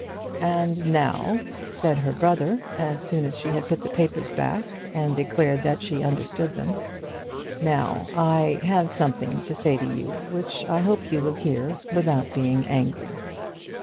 "And now," said her brother, as soon as she had put the papers back, and declared that she understood them. "Now I have something to say to you which I hope you will hear without being angry."